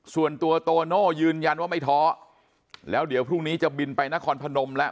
ส่วนตัวโตโน่ยืนยันว่าไม่ท้อแล้วเดี๋ยวพรุ่งนี้จะบินไปนครพนมแล้ว